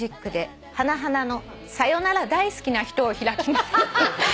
花の『さよなら大好きな人』を開きます」